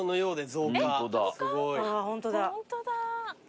ホントだ。